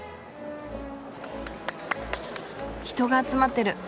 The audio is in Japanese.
人が集まってる。